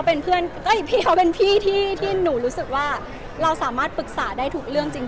เป็นเพื่อนก็พี่เขาเป็นพี่ที่หนูรู้สึกว่าเราสามารถปรึกษาได้ทุกเรื่องจริง